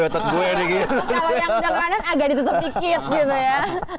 kalau yang udah ke kanan agak ditutup dikit gitu ya